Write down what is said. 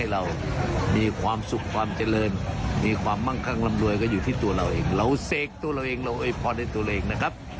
เราเสกตัวเราเองเราอวยพรตัวตัวเองนะครับ